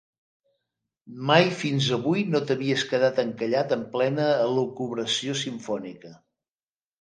Mai fins avui no t'havies quedat encallat en plena elucubració simfònica.